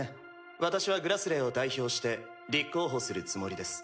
私は「グラスレー」を代表して立候補するつもりです。